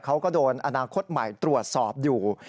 เขาก็โดนอนาคตใหม่ตรวจสอบอยู่